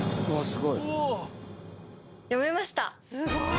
すごい！